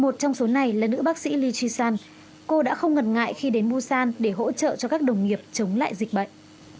một trong số này là nữ bác sĩ lee jisan cô đã không ngần ngại khi đến busan để hỗ trợ cho các đồng nghiệp chống lại dịch bệnh